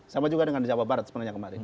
sama juga dengan di jawa barat sebenarnya kemarin